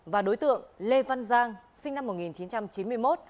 và đối tượng lê văn giang sinh năm một nghìn chín trăm chín mươi một